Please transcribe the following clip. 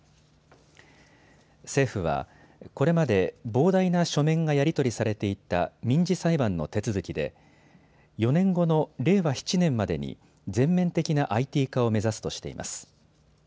政府はこれまで膨大な書面がやり取りされていた民事裁判の手続きで４年後の令和７年までに全面的なＩＴ化を目指すとしています。